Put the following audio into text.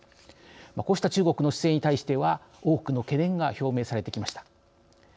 こうした中国の姿勢に対しては多くの懸念が表明されてきました。